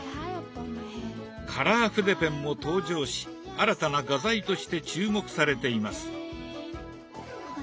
カラー筆ペンも登場し新たな画材として注目されています。